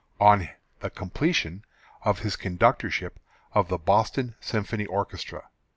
(_On the completion of his conductorship of the Boston Symphony Orchestra.